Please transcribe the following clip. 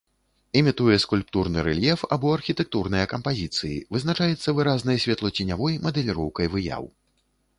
Імітуе скульптурны рэльеф або архітэктурныя кампазіцыі, вызначаецца выразнай святлоценявой мадэліроўкай выяў.